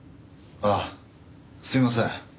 ああすいません